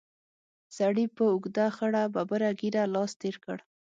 سړي په اوږده خړه ببره ږېره لاس تېر کړ.